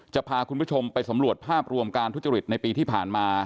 จะพาคุณผู้ชมไปสำรวจภาพรวมการทุจริตในปีที่ผ่านมา